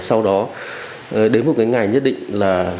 sau đó đến một cái ngày nhất định là